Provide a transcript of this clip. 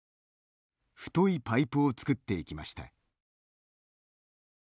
太いパイプを作っていきました。